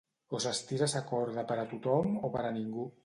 O s'estira sa corda per a tothom o per a ningú.